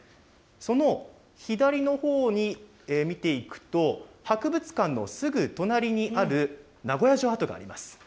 その左のほうに、見ていくと、博物館のすぐ隣にある名護屋城跡があります。